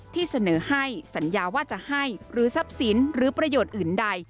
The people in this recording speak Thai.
ที่เสนอให้สัญญาว่าจะให้หรือทรัพย์สินหรือประโยชน์อื่นใด